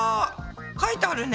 書いてあるね。